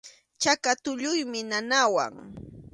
Chaka tulluymi nanawan.